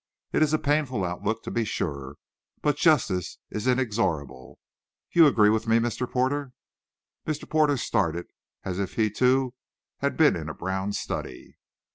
It is a painful outlook, to be sure, but justice is inexorable. You agree with me, Mr. Porter?" Mr. Porter started, as if he, too, had been in a brown study.